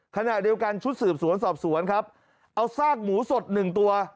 ขณะเดียวกันชุดสืบสวนสอบสวนครับเอาซากหมูสดหนึ่งตัว